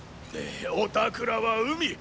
おたくらは海。